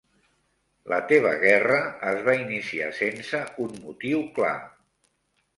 La teva guerra es va iniciar sense un motiu clar.